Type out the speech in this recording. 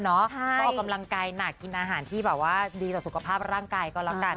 ก็ออกกำลังกายหนักกินอาหารที่แบบว่าดีต่อสุขภาพร่างกายก็แล้วกัน